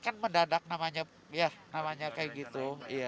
kan mendadak namanya kayak gitu